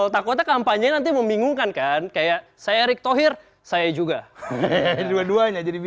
takutnya kampanye nanti membingungkan kan kayak saya erick thohir saya juga dua duanya jadi